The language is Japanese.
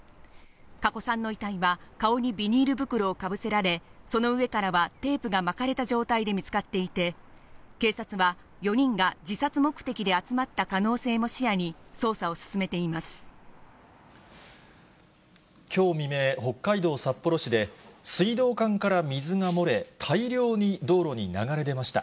加古さんの遺体は顔にビニール袋をかぶせられ、その上からはテープが巻かれた状態で見つかっていて、警察は４人が自殺目的で集まった可能性も視野に捜査を進めていまきょう未明、北海道札幌市で、水道管から水が漏れ、大量に道路に流れ出ました。